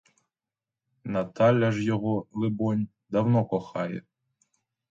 Наталя ж його, либонь, давно кохає.